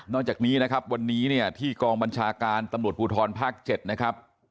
จากนี้นะครับวันนี้เนี่ยที่กองบัญชาการตำรวจภูทรภาค๗นะครับ